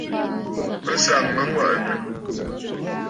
Bɨ sàŋ mə aŋwàʼànə̀.